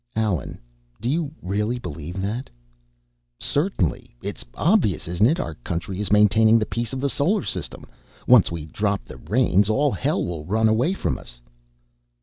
"Allen, do you really believe that?" "Certainly! It's obvious, isn't it? Our country is maintaining the peace of the Solar System once we drop the reins, all hell will run away from us."